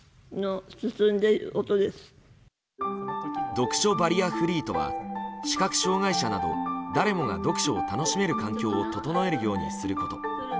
読書バリアフリーとは視覚障害者など誰もが読書を楽しめる環境を整えるようにすること。